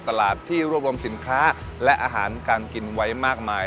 ตลาดที่รวบรวมสินค้าและอาหารการกินไว้มากมาย